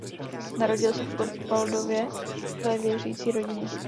Narodil se v Gottwaldově ve věřící rodině.